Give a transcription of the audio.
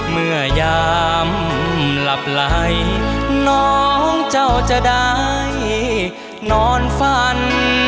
เมื่อยามหลับไหลน้องเจ้าจะได้นอนฝัน